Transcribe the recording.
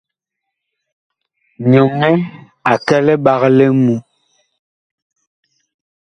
Nyɔnɛ a kɛ liɓag li ŋmu.